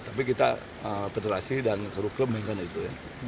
tapi kita federasi dan seru kemingin itu